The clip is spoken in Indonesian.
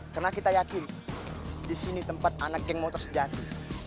karena kita yakin disini tempat anak geng mau tersejati